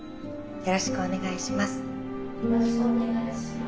よろしくお願いします。